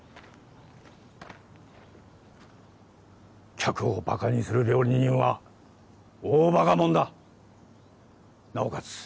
客をバカにする料理人は大バカ者だなおかつ